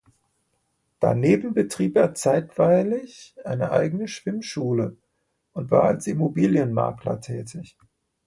Daneben betrieb er zeitweilig eine eigene Schwimmschule und war als Immobilienmakler tätig.